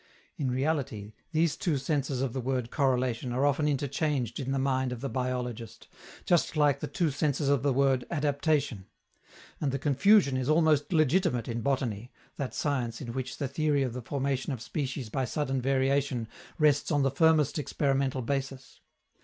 In reality, these two senses of the word "correlation" are often interchanged in the mind of the biologist, just like the two senses of the word "adaptation." And the confusion is almost legitimate in botany, that science in which the theory of the formation of species by sudden variation rests on the firmest experimental basis.